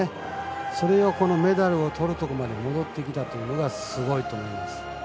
それを、メダルをとるところまで戻ってきたのはすごいと思います。